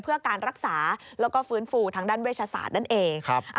เพื่อการรักษาแล้วก็ฟื้นฟูทางด้านเวชศาสตร์นั่นเอง